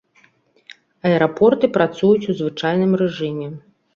Аэрапорты працуюць у звычайным рэжыме.